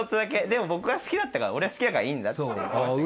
でも僕は好きだったから俺は好きだからいいんだっつって。